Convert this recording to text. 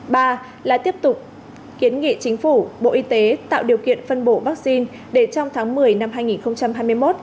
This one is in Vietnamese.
ba là tiếp tục kiến nghị chính phủ bộ y tế tạo điều kiện phân bổ vaccine để trong tháng một mươi năm hai nghìn hai mươi một